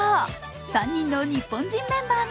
３人の日本人メンバーが。